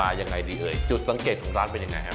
เอาล่ะเดินทางมาถึงในช่วงไฮไลท์ของตลอดกินในวันนี้แล้วนะครับ